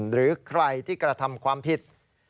หรือใครที่กระทำความผิด